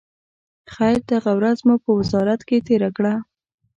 خیر، دغه ورځ مو په وزارت کې تېره کړه.